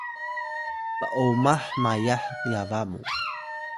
p’omah mayah yaba mu